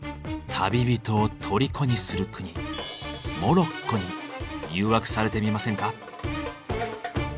旅人を虜にする国モロッコに誘惑されてみませんか。